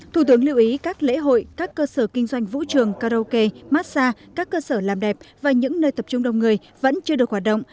thủ tướng lưu ý các lễ hội các cơ sở kinh doanh vũ trường karaoke massage các cơ sở làm đẹp và những nơi tập trung đông người vẫn chưa được hoạt động